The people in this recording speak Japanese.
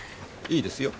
いいですよ